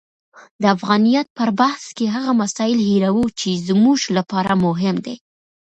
د افغانیت پر بحث کې هغه مسایل هیروو چې زموږ لپاره مهم دي.